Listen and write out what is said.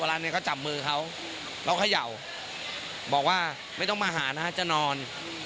ร้านนี้เขาจับมือเขาแล้วเขย่าบอกว่าไม่ต้องมาหานะฮะจะนอน